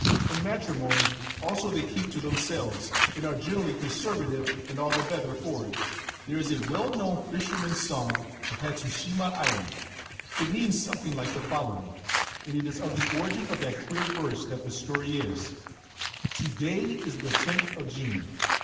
In matrimony also they keep to themselves, and are generally conservative and all the better for it. 162 O CHO SAN COMMITS SUICIDE Sagami Bay There is a well known fisherman's song of Hatsushima Island. It means something like the following, and it is of the origin of that queer verse that the story is :— To day is the tenth of June.